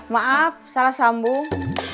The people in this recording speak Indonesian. maaf salah sambung